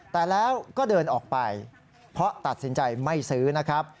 แต่แล้วก็เดินออกไปเพราะตัดสินใจไม่ซื้อนะครับ